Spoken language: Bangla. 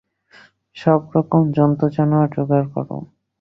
সব রকম জন্তু-জানোয়ার যোগাড় কর।